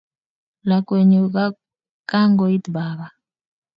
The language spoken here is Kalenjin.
lakwenyu kagoit baba